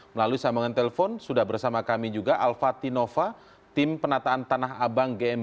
melalui sambangan telepon sudah bersama kami juga alva tinova tim penataan tanah abang gms